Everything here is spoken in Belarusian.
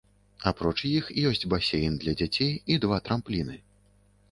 Апроч іх, ёсць басейн для дзяцей і два трампліны.